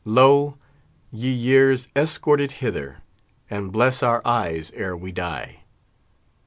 Lo! ye years, escort it hither, and bless our eyes ere we die.